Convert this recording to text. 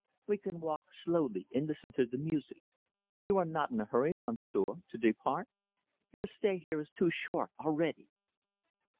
We can walk slowly and listen to the music. You are not in a hurry, monsieur, to depart? Your stay here is too short already."